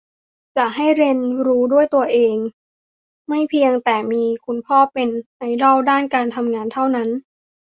จะให้เรียนรู้ด้วยตัวเอง ไม่เพียงแต่มีคุณพ่อเป็นไอดอลด้านการทำงานเท่านั้น